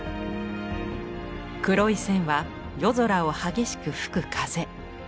黒い線は夜空を激しく吹く風。